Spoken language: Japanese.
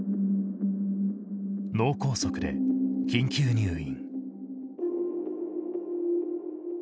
脳梗塞で緊急入院。